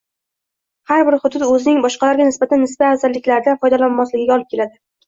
har bir hudud o‘zining boshqalarga nisbatan nisbiy afzalliklaridan foydalanolmasligiga olib keladi.